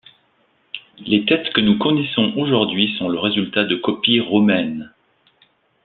Les têtes que nous connaissons aujourd'hui sont le résultat de copies romaines.